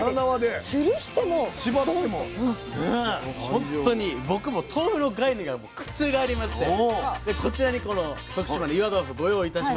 本当に僕も豆腐の概念が覆りましてこちらにこの徳島の岩豆腐ご用意いたしました。